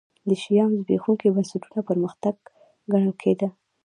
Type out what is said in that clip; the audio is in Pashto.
د شیام زبېښونکي بنسټونه پرمختګ ګڼل کېده.